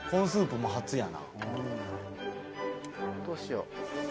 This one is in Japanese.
どうしよ。